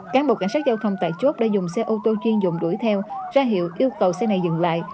cán bộ cảnh sát giao thông tại chốt đã dùng xe ô tô chuyên dùng đuổi theo ra hiệu yêu cầu xe này dừng lại